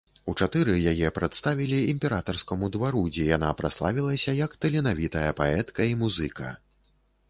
У чатыры яе прадставілі імператарскаму двару, дзе яна праславілася як таленавітая паэтка і музыка.